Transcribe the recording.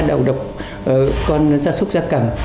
đậu độc con da súc da cầm